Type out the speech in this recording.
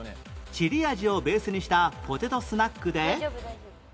チリ味をベースにしたポテトスナックで